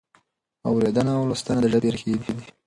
اورېدنه او لوستنه د ژبې ریښې دي.